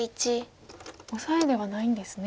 オサエではないんですね。